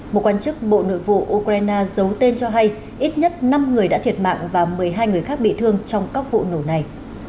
một quan chức bộ nội vụ ukraine giấu tên cho hay ít nhất năm người đã thiệt mạng và một mươi hai người khác bị thương trong các vụ nổ này